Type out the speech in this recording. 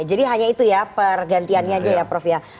jadi hanya itu ya pergantiannya aja ya prof ya